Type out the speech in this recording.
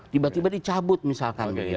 tiba tiba dicabut misalkan